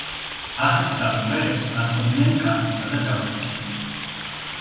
ასეთსავე კვერებს აცხობდნენ კახეთსა და ჯავახეთში.